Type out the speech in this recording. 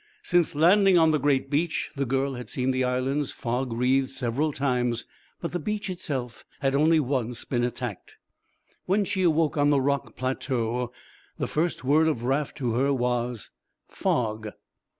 Since landing on the great beach the girl had seen the islands fog wreathed several times but the beach itself had only once been attacked. When she awoke on the rock plateau the first word of Raft to her was "fog."